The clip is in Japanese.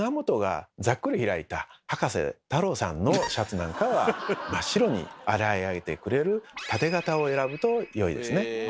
葉加瀬太郎さんのシャツなんかは真っ白に洗い上げてくれるタテ型を選ぶとよいですね。